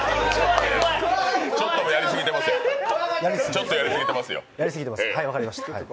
ちょっとやりすぎてますよ。